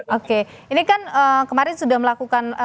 oke ini kan kemarin sudah melakukan